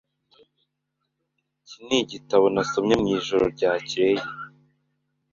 Iki nigitabo nasomye mwijoro ryakeye.